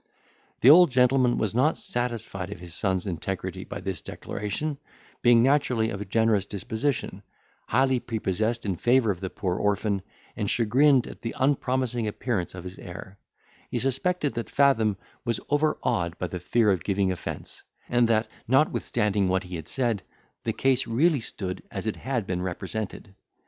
The old gentleman was not satisfied of his son's integrity by this declaration; being naturally of a generous disposition, highly prepossessed in favour of the poor orphan, and chagrined at the unpromising appearance of his heir, he suspected that Fathom was overawed by the fear of giving offence, and that, notwithstanding what he had said, the case really stood as it had been represented.